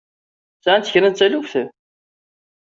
Sɛant kra n taluft?